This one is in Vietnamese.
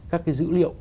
các cái dữ liệu